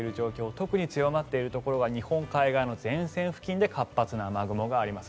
特に強まっているところは日本海側の前線付近で活発な雨雲があります。